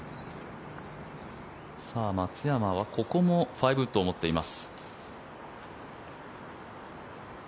松山はここも５ウッドを持っています。